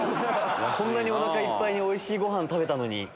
こんなにおなかいっぱいにおいしいごはん食べたのに。